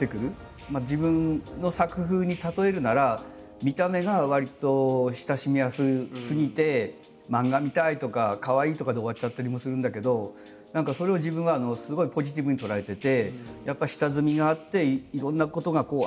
自分の作風に例えるなら見た目がわりと親しみやすすぎて漫画みたいとかかわいいとかで終わっちゃったりもするんだけど何かそれを自分はすごいポジティブに捉えてて。